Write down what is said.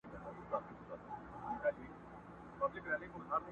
په سبا به آوازه سوه په وطن کي؛